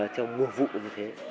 theo mùa vụ như thế